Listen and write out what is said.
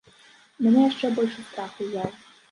Мяне яшчэ большы страх узяў.